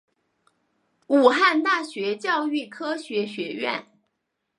武汉大学教育科学学院